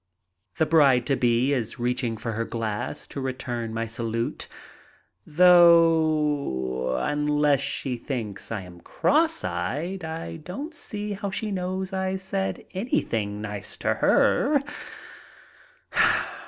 The bride to be is reaching for her glass to return my salute, though unless she thinks I am cross eyed I don't see how she knows I said anything nice to her.